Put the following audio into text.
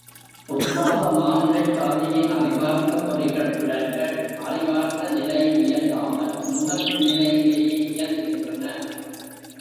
பொதுவாக மானுடச் சாதியின் அறிவார்ந்த பொறிகள் புலன்கள் அறிவார்ந்த நிலையில் இயங்காமல் நுகர்வு நிலையிலேயே இயங்குகின்றன.